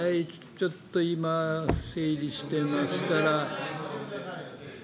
ちょっと今、整理してますから。